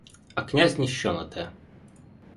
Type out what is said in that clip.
А князь ніщо на те.